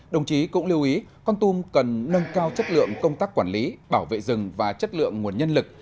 đồng chí cũng lưu ý con tum cần nâng cao chất lượng công tác quản lý bảo vệ rừng và chất lượng nguồn nhân lực